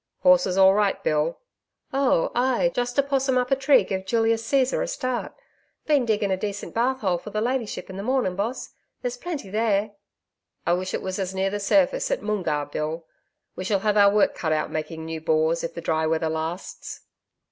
'Horses all right, Bill?' 'Oh, ay just a possum up a tree gev Julius Caesar a start.... Been digging a decent bath hole for the ladyship in the morning, boss. There's plenty there.' 'I wish it was as near the surface at Moongarr, Bill. We shall have our work cut out making new bores, if the dry weather lasts.'